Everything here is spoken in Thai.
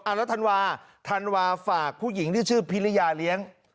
แล้วธันวาธันวาฝากผู้หญิงที่ชื่อพิริยาเลี้ยง